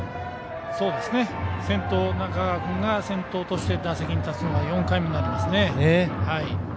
先頭、中川君が先頭として打席に立つのは４回目になりますね。